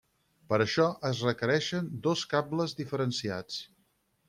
Per a això es requereixen dos cables diferenciats.